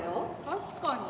確かに。